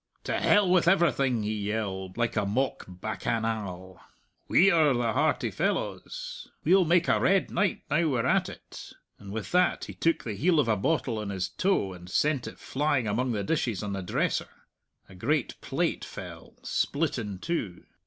"To hell with everything," he yelled, like a mock bacchanal. "We're the hearty fellows! We'll make a red night now we're at it!" And with that he took the heel of a bottle on his toe and sent it flying among the dishes on the dresser. A great plate fell, split in two.